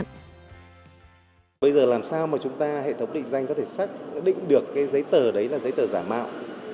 bây giờ làm sao mà chúng ta hệ thống định danh có thể xác định được cái giấy tờ đấy là giấy tờ giả mạo